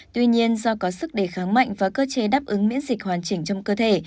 tuy nhiên do có sức đề kháng mạnh và cơ chế đáp ứng miễn dịch hoàn chỉnh trong cơ thể